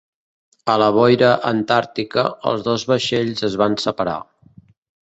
A la boira antàrtica, els dos vaixells es van separar.